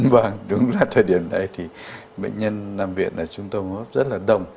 vâng đúng là thời điểm này thì bệnh nhân làm viện ở trung tâm hô hấp rất là đông